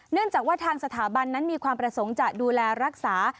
เนื่องจากว่าทางสถาบันนั้นมีความประสงค์จะดูแลรักษา